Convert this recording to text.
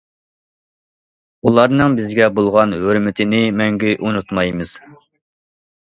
ئۇلارنىڭ بىزگە بولغان ھۆرمىتىنى مەڭگۈ ئۇنتۇمايمىز.